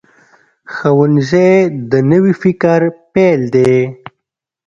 ښوونځی د نوي فکر پیل دی